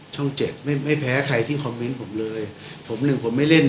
ช่องเจ็ดไม่ไม่แพ้ใครที่คอมเมนต์ผมเลยผมหนึ่งผมไม่เล่น